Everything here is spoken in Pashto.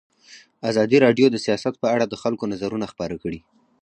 ازادي راډیو د سیاست په اړه د خلکو نظرونه خپاره کړي.